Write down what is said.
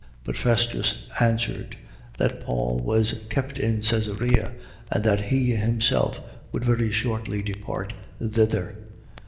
25:4. But Festus answered: That Paul was kept in Caesarea: and that he himself would very shortly depart thither.